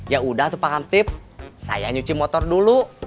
ya udah tuh pak kamtip saya nyuci motor dulu